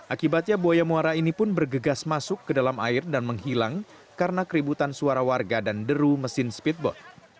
akibatnya buaya muara ini pun bergegas masuk ke dalam air dan menghilang karena keributan suara warga dan deru mesin speedboat